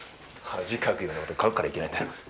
恥かくような事書くからいけないんだろ。